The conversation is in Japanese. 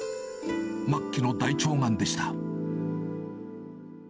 末期の大腸がんでした。